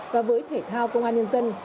và với thể thao công an nhân dân